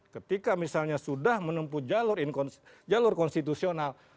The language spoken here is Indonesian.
ketika misalnya sudah menempuh jalur konstitusional